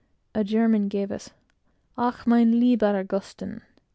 A German gave us "Och! mein lieber Augustin!"